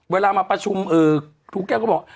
เวลามาประชุมครูแก้วก็บอก